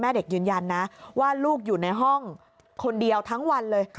เด็กยืนยันนะว่าลูกอยู่ในห้องคนเดียวทั้งวันเลย